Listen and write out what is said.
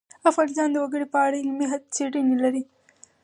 افغانستان د وګړي په اړه علمي څېړنې لري.